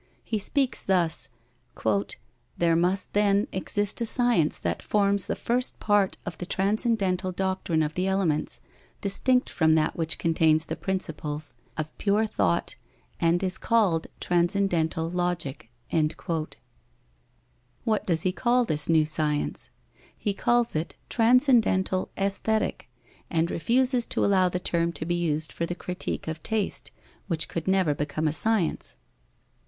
He speaks thus: "There must, then, exist a science that forms the first part of the transcendental doctrine of the elements, distinct from that which contains the principles of pure thought and is called transcendental Logic." What does he call this new science? He calls it Transcendental Aesthetic, and refuses to allow the term to be used for the Critique of Taste, which could never become a science.